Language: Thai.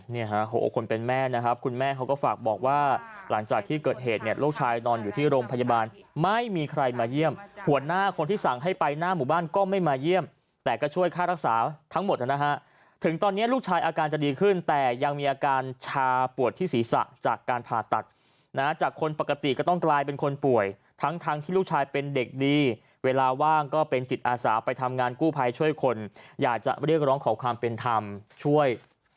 เนี่ยฮะโหโอคนเป็นแม่นะครับคุณแม่เขาก็ฝากบอกว่าหลังจากที่เกิดเหตุเนี่ยลูกชายนอนอยู่ที่โรงพยาบาลไม่มีใครมาเยี่ยมหัวหน้าคนที่สั่งให้ไปหน้าหมู่บ้านก็ไม่มาเยี่ยมแต่ก็ช่วยค่ารักษาทั้งหมดนะฮะถึงตอนเนี้ยลูกชายอาการจะดีขึ้นแต่ยังมีอาการชาปวดที่ศีรษะจากการผ่าตัดนะจากคนปกติก็ต้องกลาย